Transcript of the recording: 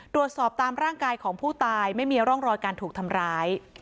ตามร่างกายของผู้ตายไม่มีร่องรอยการถูกทำร้าย